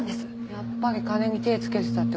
やっぱり金に手ぇつけてたって事か。